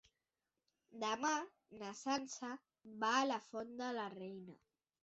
Demà na Sança va a la Font de la Reina.